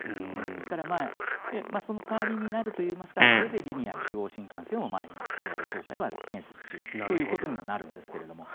ですからその代わりになるといいますかそれでリニア中央新幹線を今、ＪＲ東海は建設中ということにもなるんですが。